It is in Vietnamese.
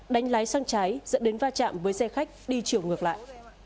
đánh lái sang trái dẫn đến va chạm với xe khách đi chiều ngược lại